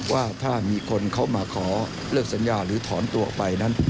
ว่าถ้ามีคนเขามาขอเลิกสัญญาหรือถอนตัวออกไปนั้น